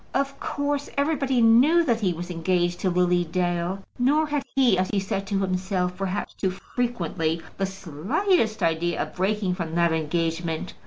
Of course, everybody knew that he was engaged to Lily Dale; nor had he, as he said to himself, perhaps too frequently, the slightest idea of breaking from that engagement.